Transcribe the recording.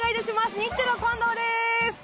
ニッチェの近藤です。